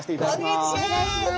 お願いいたします。